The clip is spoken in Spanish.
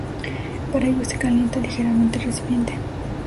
Para ello se calienta ligeramente el recipiente.